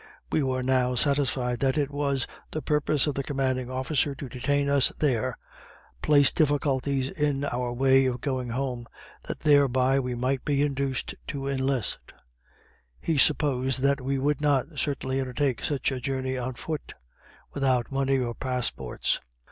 We were now satisfied that it was the purpose of the commanding officer to detain us there, place difficulties in our way of going home, that thereby we might be induced to enlist; he supposed that we would not certainly undertake such a journey on foot, without money or passports.